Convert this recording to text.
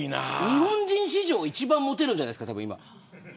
日本人史上一番もてるんじゃないですか。